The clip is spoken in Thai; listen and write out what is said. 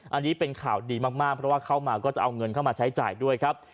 อันนี้เป็นข่าวดีมากเพราะว่าเข้ามาก็จะเอาเงินเข้ามาใช้จ่ายด้วยครับ